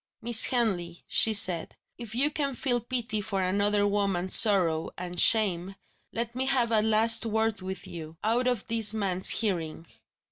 "Miss Henley," she said, "if you can feel pity for another woman's sorrow and shame, let me have a last word with you out of this man's hearing."